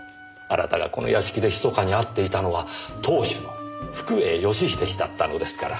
あなたがこの屋敷で密かに会っていたのは当主の福栄義英氏だったのですから。